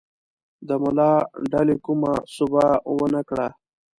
د ملا ډلې کومه سوبه ونه کړه.